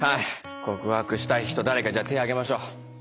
告白したい人誰かじゃあ手挙げましょう。